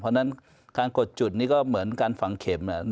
เพราะฉะนั้นการกดจุดนี้ก็เหมือนการฝังเข็ม